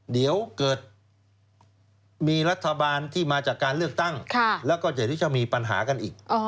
เดี๋ยวเกิดมีรัฐบาลที่มาจากการเลือกตั้งแล้วก็เดี๋ยวนี้จะมีปัญหากันอีก